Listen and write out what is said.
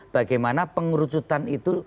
bagaimana pengurucutan itu